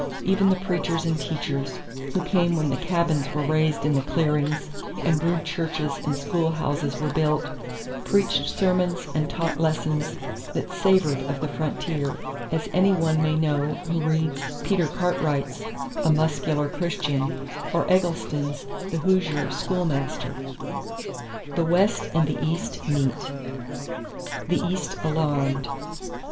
Even the preachers and teachers, who came when the cabins were raised in the clearings and rude churches and schoolhouses were built, preached sermons and taught lessons that savored of the frontier, as any one may know who reads Peter Cartwright's A Muscular Christian or Eggleston's The Hoosier Schoolmaster. THE WEST AND THE EAST MEET =The East Alarmed.